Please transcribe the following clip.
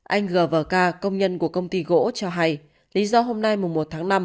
anh g v k công nhân của công ty gỗ cho hay lý do hôm nay một tháng năm